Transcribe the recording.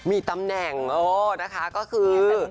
มีตำแหน่งนะคะก็คือ